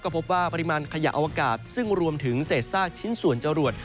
พบว่าปริมาณขยะอวกาศซึ่งรวมถึงเศษซากชิ้นส่วนจรวด